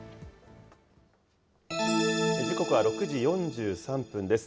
時刻は６時４３分です。